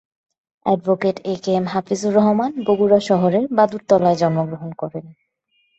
Advocate A K M Hafizur Rahman Bogura শহরের বাদুরতলায় জন্ম গ্রহণ করেন।